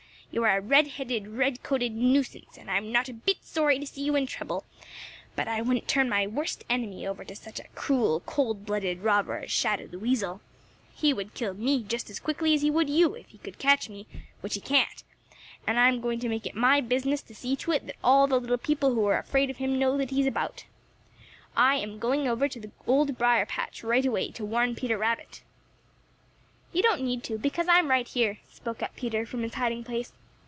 You're a red headed, red coated nuisance, and I'm not a bit sorry to see you in trouble, but I wouldn't turn my worst enemy over to such a cruel, cold blooded robber as Shadow the Weasel. He would kill me just as quickly as he would you, if he could catch me, which he can't, and I am going to make it my business to see to it that all the little people who are afraid of him know that he is about. I am going over to the Old Briar patch right away to warn Peter Rabbit." "You don't need to, because I am right here," spoke up Peter from his hiding place.